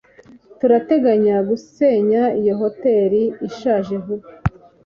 Turateganya gusenya iyo hoteri ishaje vuba